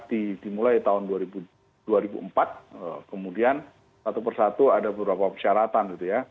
dimulai tahun dua ribu empat kemudian satu persatu ada beberapa persyaratan gitu ya